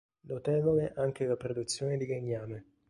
Notevole anche la produzione di legname.